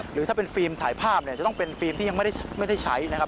หรือถ้าเป็นฟิล์มถ่ายภาพเนี่ยจะต้องเป็นฟิล์มที่ยังไม่ได้ใช้นะครับ